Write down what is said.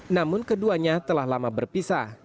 namun keduanya telah lama berpisah